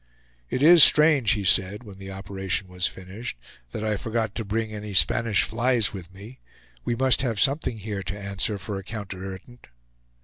"It is strange," he said, when the operation was finished, "that I forgot to bring any Spanish flies with me; we must have something here to answer for a counter irritant!"